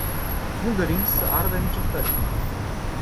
Nu dorim să ardă nicio fermă.